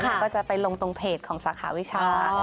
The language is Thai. ก็จะไปลงตรงเพจของสาขาวิชา